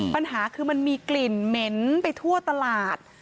ปัญหาคือมันมีกลิ่นเหม็นไปทั่วตลาด